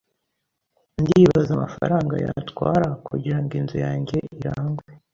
Ndibaza amafaranga yatwara kugirango inzu yanjye irangwe.